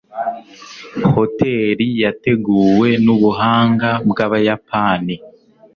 Hoteri yateguwe nubuhanga bwabayapani.